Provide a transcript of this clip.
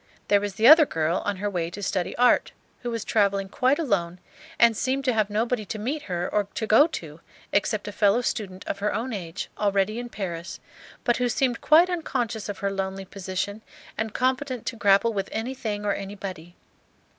There was the other girl on her way to study art, who was travelling quite alone, and seemed to have nobody to meet her or to go to except a fellow student of her own age, already in Paris, but who seemed quite unconscious of her lonely position and competent to grapple with anything or anybody.